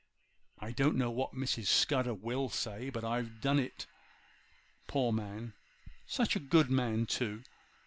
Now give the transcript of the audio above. I don't know what Mrs. Scudder will say, but I've done it. Poor man! such a good man too!